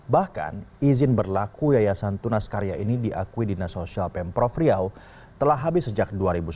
bahkan izin berlaku yayasan tunas karya ini diakui dinas sosial pemprov riau telah habis sejak dua ribu sembilan belas